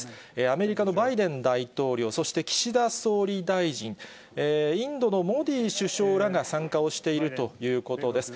アメリカのバイデン大統領、そして岸田総理大臣、インドのモディ首相らが参加をしているということです。